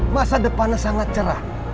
masa depannya sangat cerah